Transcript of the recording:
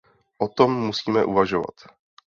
O tom musíme uvažovat.